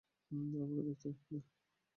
আমাকে দেখতে দে।